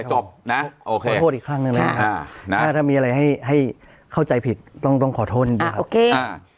จบก็โทษอีกครั้งหนึ่งเลยนะเราถ้ามีอะไรให้เข้าใจผิดต้องต้องขอโทษอีกแล้ว